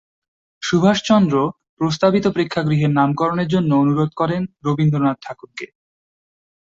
সুভাষচন্দ্র প্রস্তাবিত প্রেক্ষাগৃহের নামকরণের জন্য অনুরোধ করেন রবীন্দ্রনাথ ঠাকুরকে।